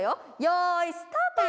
よいスタート！